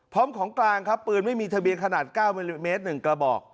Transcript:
พร้อมของกลางครับปืนไม่มีทะเบียนขนาด๙เมตร๑กระบอก